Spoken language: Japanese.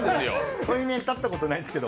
とい面に立ったことはないんですけど。